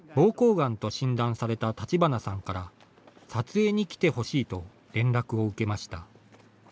がんと診断された立花さんから撮影に来てほしいと連絡を受けました。